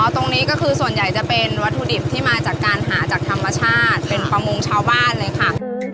ตรงนี้ก็คือส่วนใหญ่จะเป็นวัตถุดิบที่มาจากการหาจากธรรมชาติเป็นประมงชาวบ้านเลยค่ะ